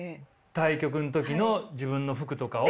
対局の時の自分の服とかを。